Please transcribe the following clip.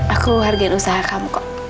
aku hargain usaha kamu kok